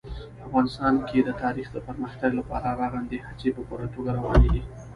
افغانستان کې د تاریخ د پرمختګ لپاره رغنده هڅې په پوره توګه روانې دي.